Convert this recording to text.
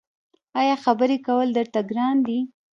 ایا خبرې کول درته ګران دي؟